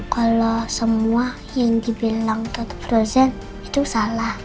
kalau semua yang dibilang tante frozen itu salah